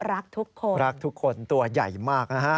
รักทุกคนรักทุกคนตัวใหญ่มากนะฮะ